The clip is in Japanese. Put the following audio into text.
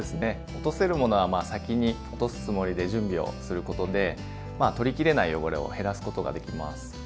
落とせるものは先に落とすつもりで準備をすることでまあ取りきれない汚れを減らすことができます。